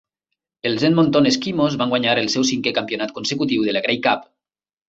Els Edmonton Eskimos van guanyar el seu cinquè campionat consecutiu de la Grey Cup.